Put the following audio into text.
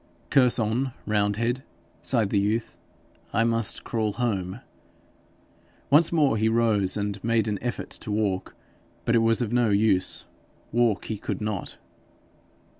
'Curse on, roundhead,' sighed the youth; 'I must crawl home.' Once more he rose and made an effort to walk. But it was of no use: walk he could not.